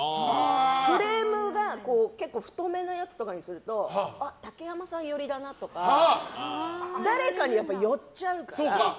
フレームが結構太めなやつとかにすると竹山さん寄りだなとか誰かに寄っちゃうから。